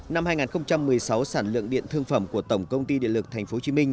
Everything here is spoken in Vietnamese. năm hai nghìn một mươi sáu sản lượng điện thương phẩm của tổng công ty điện lực tp hcm